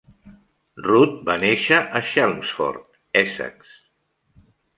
Root va néixer a Chelmsford, Essex.